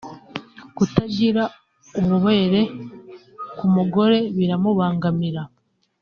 Kutagira ububobere ku mugore biramubangamira